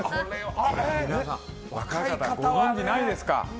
皆さん若い方ご存じないですか？